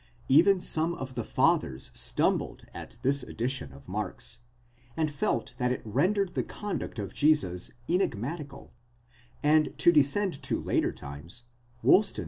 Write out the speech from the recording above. Even some of the fathers stumbled at this addition of Mark's and felt that it rendered the con ductof Jesus enigmatical;5 and to descend to later times, Woolston's 3 Augustin.